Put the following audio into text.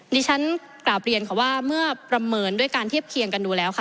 ดิฉันกราบเรียนค่ะว่าเมื่อประเมินด้วยการเทียบเคียงกันดูแล้วค่ะ